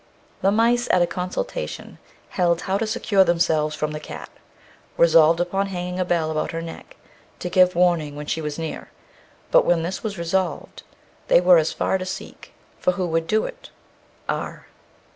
The mice at a consultation held how to secure themselves from the cat, resolved upon hanging a bell about her neck, to give warning when she was near; but when this was resolved, they were as far to seek; for who would do it? R.